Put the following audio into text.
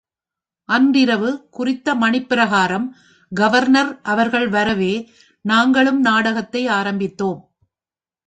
அன்றிரவு குறித்த மணிப்பிரகாரம் கவர்னர் அவர்கள் வரவே, நாங்களும் நாடகத்தை ஆரம்பித்தோம்.